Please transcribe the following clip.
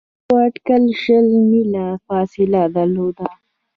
زموږ په اټکل شل میله فاصله درلوده.